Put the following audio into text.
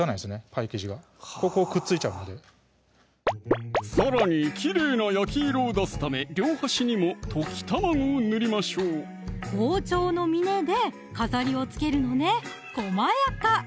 パイ生地がここくっついちゃうのでさらにきれいな焼き色を出すため両端にも溶き卵を塗りましょう包丁の峰で飾りをつけるのねこまやか！